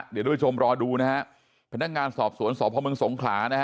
เดี๋ยวด้วยชมรอดูนะฮะพนักงานสอบสวนสพเมืองสงขลานะฮะ